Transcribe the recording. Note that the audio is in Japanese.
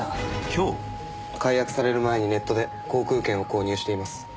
解約される前にネットで航空券を購入しています。